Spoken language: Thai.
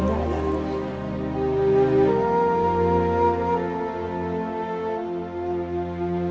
ขอบคุณทุกคน